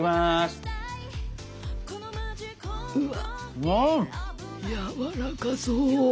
うわやわらかそう。